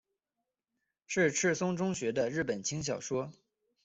是赤松中学的日本轻小说。